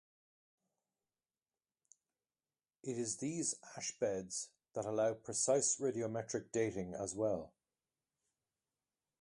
It is these ash beds that allow precise radiometric dating as well.